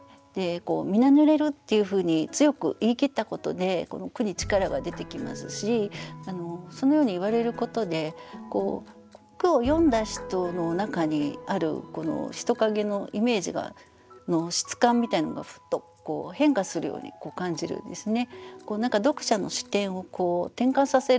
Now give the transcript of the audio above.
「みな濡れる」っていうふうに強く言い切ったことでこの句に力が出てきますしそのように言われることで句を読んだ人の中にある人影のイメージの質感みたいなのがふっと変化するように感じるんですね。